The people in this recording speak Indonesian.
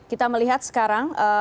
kita melihat sekarang